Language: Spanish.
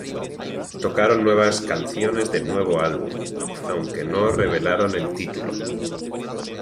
Tocaron nuevas canciones del nuevo álbum, aunque no revelaron el título.